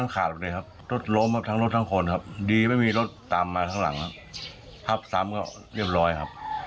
ครับซ้ำก็เรียบร้อยครับ